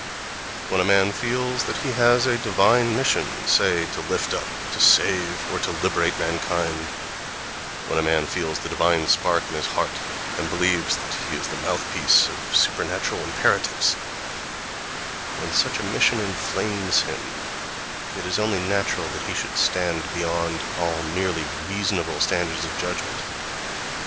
When a man feels that he has a divine mission, say to lift up, to save or to liberate mankind—when a man feels the divine spark in his heart and believes that he is the mouthpiece of super natural imperatives—when such a mission inflames him, it is only natural that he should stand beyond all merely reasonable standards of judgment.